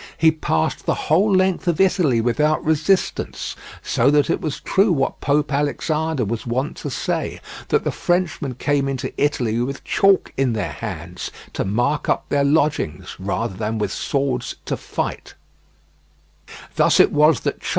He passed the whole length of Italy without resistance: so that it was true what Pope Alexander was wont to say: That the Frenchmen came into Italy with chalk in their hands, to mark up their lodgings, rather than with swords to fight."